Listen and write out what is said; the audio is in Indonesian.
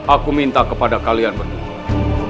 aku minta kepada kalian berdua